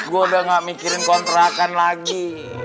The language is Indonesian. gue udah gak mikirin kontrakan lagi